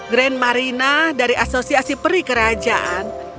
grand marina dari asosiasi peri kerajaan